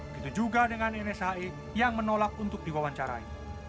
begitu juga dengan nshe yang menolak untuk diwawancarai